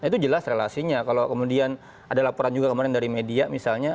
itu jelas relasinya kalau kemudian ada laporan juga kemarin dari media misalnya